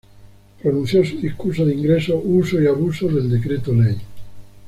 Pronunció su discurso de ingreso, "Uso y abuso del decreto-ley.